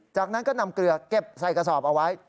จากนั้นก็นำเกลือเก็บใส่กระสอบเอาไว้